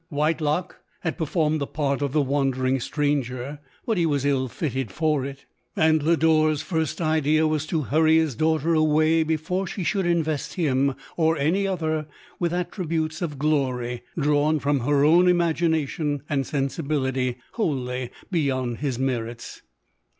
Whitelock had per formed the part of the wandering stranger, but he was ill fitted for it; and Lodore's first idea was to hurry his daughter away before she should invest him, or any other, with attributes of glory, drawn from her own imagination and sensibility, wholly beyond his merits.